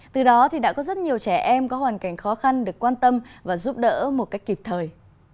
từ đó đã có rất nhiều trẻ em có hoàn cảnh khó khăn được quan tâm và giúp đỡ một cách kịp thời